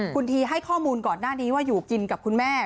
คุณทีให้ข้อมูลก่อนหน้านี้ว่าอยู่กินกับคุณแม่